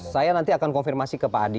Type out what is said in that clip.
saya nanti akan konfirmasi ke pak adi